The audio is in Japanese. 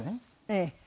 ええ。